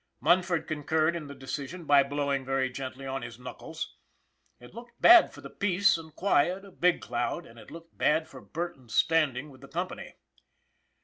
Munford concurred in the decision by blowing very gently on his knuckles. It looked bad for the peace and quiet of Big Cloud; and it looked bad for Bur ton's standing with the company.